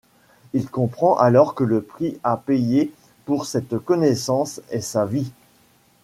Il comprend alors que le prix à payer pour cette connaissance est sa vie.